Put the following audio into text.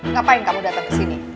ngapain kamu dateng kesini